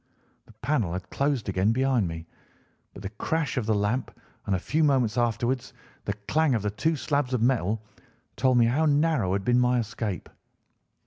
The panel had closed again behind me, but the crash of the lamp, and a few moments afterwards the clang of the two slabs of metal, told me how narrow had been my escape.